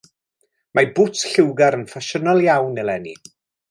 Mae bŵts lliwgar yn ffasiynol iawn eleni.